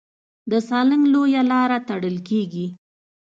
د سالنګ لویه لاره تړل کېږي.